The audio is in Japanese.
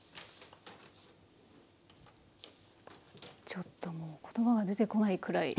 ちょっともう言葉が出てこないくらい。